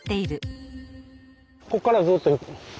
こっからずっと行く。